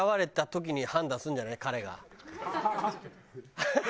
ハハハハ！